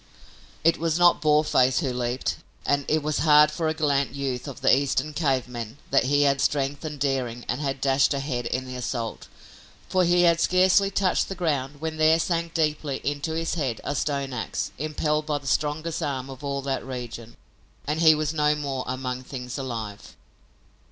It was not Boarface who leaped and it was hard for a gallant youth of the Eastern cave men that he had strength and daring and had dashed ahead in the assault, for he had scarcely touched the ground when there sank deeply into his head a stone ax, impelled by the strongest arm of all that region, and he was no more among things alive.